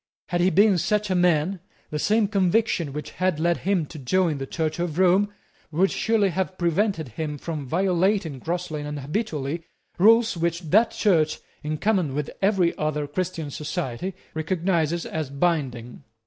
Had he been such a man, the same conviction which had led him to join the Church of Rome would surely have prevented him from violating grossly and habitually rules which that Church, in common with every other Christian society, recognises as binding.